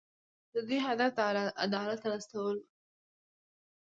د دوی هدف د عدالت راوستل وو.